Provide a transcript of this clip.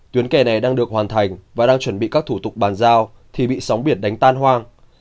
tuyến kè này đang được hoàn thành và đang chuẩn bị các thủ tục bàn giao thì bị sóng biển đánh tan hoang